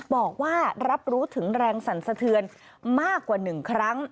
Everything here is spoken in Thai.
บอกว่ารับรู้ถึงแรงสั่นสะเทือนมากกว่า๑ครั้ง